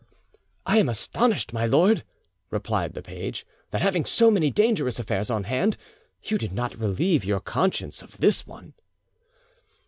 "I am astonished, my lord," replied the page, "that having so many dangerous affairs on hand; you did not relieve your conscience of this one."